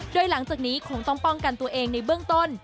โดยหลังจากนี้คงต้องป้องกันตัวเองในเบื้องต้น